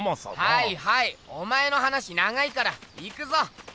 はいはいお前の話長いから行くぞ！